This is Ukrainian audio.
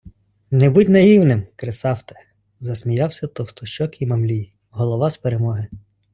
- Не будь наївним, Кресафте, засміявся товстощокий Мамлій, голова з "Перемоги".